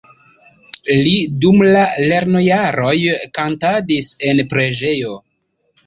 Li dum la lernojaroj kantadis en preĝejo.